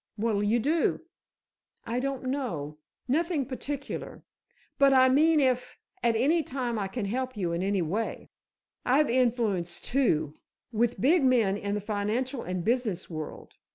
"What'll you do?" "I don't know; nothing particular. But, I mean if, at any time I can help you in any way—I've influence, too, with big men in the financial and business world.